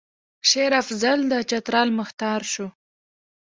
شېر افضل د چترال مهتر شو.